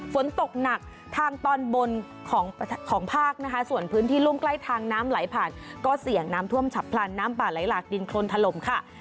ฝนตกหนักทางตอนบนของภาคนะคะส่วนพื้นที่รุ่มใกล้ทางน้ำไหลผ่านก็เสี่ยงน้ำท่วมฉับพลันน้ำป่าไหลหลากดินโครนถล่มค่ะ